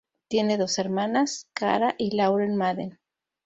Tiene dos hermanas, Cara y Lauren Madden.